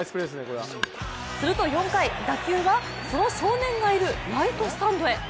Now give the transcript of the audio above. すると４回、打球はその少年がいるライトスタンドへ。